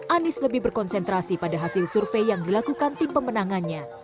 anies lebih berkonsentrasi pada hasil survei yang dilakukan tim pemenangannya